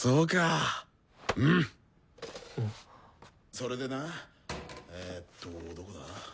それでなえっとどこだ？